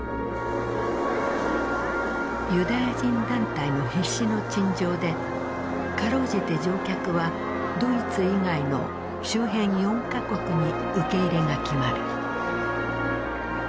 ユダヤ人団体の必死の陳情でかろうじて乗客はドイツ以外の周辺４か国に受け入れが決まる。